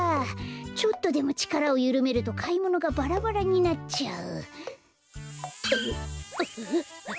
ちょっとでもちからをゆるめるとかいものがバラバラになっちゃう。